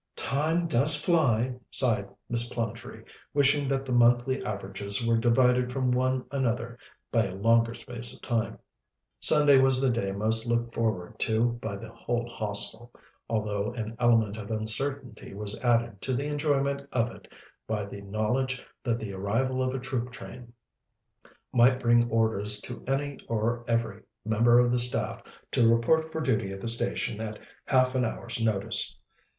"Time does fly," sighed Miss Plumtree, wishing that the Monthly Averages were divided from one another by a longer space of time. "Never mind, Sunday is all the nearer." Sunday was the day most looked forward to by the whole Hostel, although an element of uncertainty was added to the enjoyment of it by the knowledge that the arrival of a troop train might bring orders to any or every member of the staff to report for duty at the station at half an hour's notice.